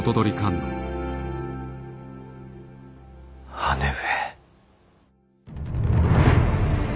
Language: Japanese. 姉上。